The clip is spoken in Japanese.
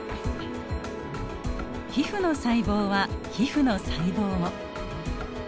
皮膚の細胞は皮膚の細胞を。